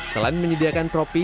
selain menyediakan tropi